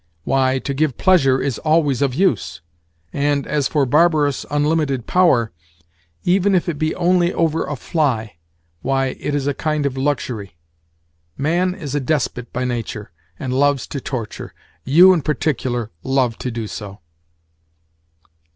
Why, to give pleasure is always of use; and, as for barbarous, unlimited power—even if it be only over a fly—why, it is a kind of luxury. Man is a despot by nature, and loves to torture. You, in particular, love to do so."